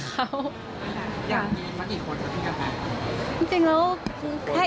อยากมีเมื่อกี่คนที่กระแตะค่ะ